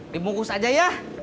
dimungkus aja ya